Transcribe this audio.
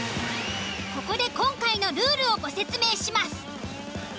ここで今回のルールをご説明します。